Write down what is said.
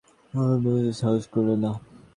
প্রত্যাখ্যান করতে সিসি সাহস করলে না।